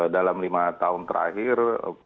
dalam lima tahun terakhir dua ribu delapan belas